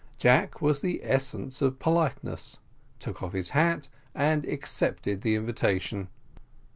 Jack was the essence of politeness, took off his hat, and accepted the invitation.